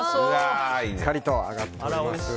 しっかりと揚がっております。